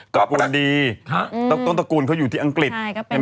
ก๊อปอันดีต้นตระกูลเขาอยู่ที่อังกฤษใช่ไหม